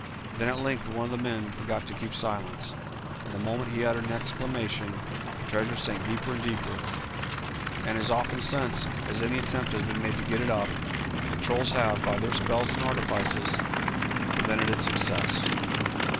Then at length one of the men forgot to keep silence, and the moment he uttered an exclamation the treasure sank deeper and deeper, and as often since as any attempt has been made to get it up, the trolls have, by their spells and artifices, prevented its success.